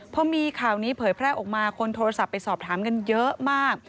พอมีข่าวนี้เผยแพร่ออกมาคนโทรศัพท์ไปสอบถามกันเยอะมาก